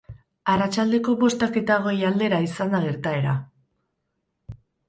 Arratsaldeko bostak eta hogei aldera izan da gertaera.